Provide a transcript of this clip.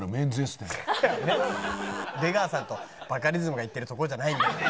出川さんとバカリズムが行ってる所じゃないんだよ。